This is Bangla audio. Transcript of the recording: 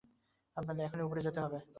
আমাদের এখনই উপরে যেতে হবে!